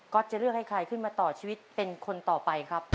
อตจะเลือกให้ใครขึ้นมาต่อชีวิตเป็นคนต่อไปครับ